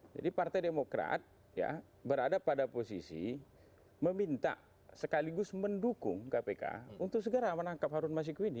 jadi partai demokrat ya berada pada posisi meminta sekaligus mendukung kpk untuk segera menangkap harun masjid q ini